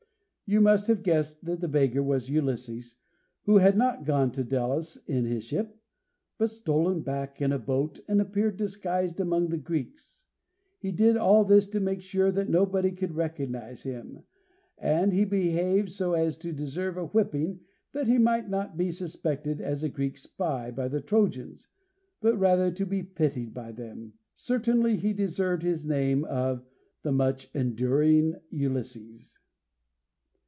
You must have guessed that the beggar was Ulysses, who had not gone to Delos in his ship, but stolen back in a boat, and appeared disguised among the Greeks. He did all this to make sure that nobody could recognise him, and he behaved so as to deserve a whipping that he might not be suspected as a Greek spy by the Trojans, but rather be pitied by them. Certainly he deserved his name of "the much enduring Ulysses."